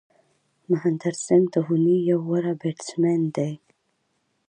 مهندر سنگھ دهوني یو غوره بېټسمېن دئ.